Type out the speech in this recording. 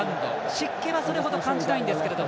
湿気はそれほど感じないんですが。